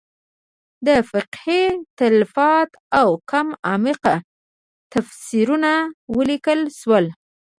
د فقهې تالیفات او کم عمقه تفسیرونه ولیکل شول.